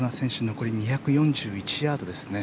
残り２４１ヤードです。